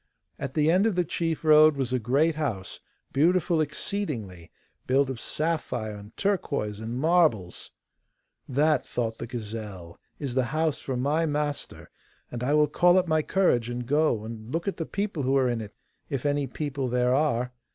At the end of the chief road was a great house, beautiful exceedingly, built of sapphire and turquoise and marbles. 'That,' thought the gazelle, 'is the house for my master, and I will call up my courage and go and look at the people who are in it, if any people there are.